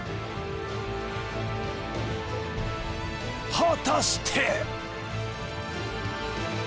果たして。